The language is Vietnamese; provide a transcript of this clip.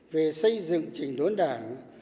về xây dựng trình đốn đảng